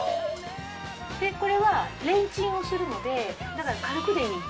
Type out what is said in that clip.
これはレンチンをするのでだから軽くでいいの。